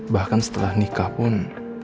bahkan setelah nikah pun